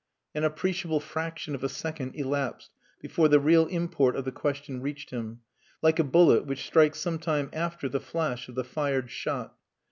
An appreciable fraction of a second elapsed before the real import of the question reached him, like a bullet which strikes some time after the flash of the fired shot.